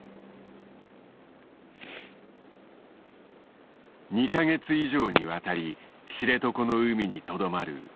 ２か月以上にわたり知床の海にとどまる流氷。